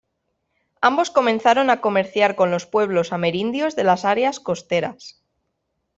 Ambos comenzaron a comerciar con los pueblos amerindios de las áreas costeras.